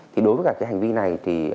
thì đối với cả cái hành vi này thì